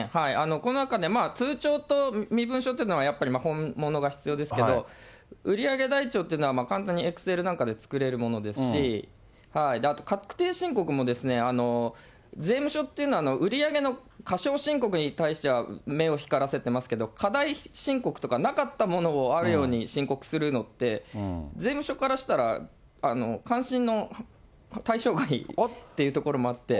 この中で、通帳と身分証っていうのは、やっぱり本物が必要ですけど、売り上げ台帳っていうのは、簡単にエクセルなんかで作れるものですし、あと、確定申告も、税務署っていうのは、売り上げの過少申告に対しては目を光らせてますけど、過大申告とか、なかったものをあるように申告するのって、税務署からしたら、関心の対象外っていうところもあって。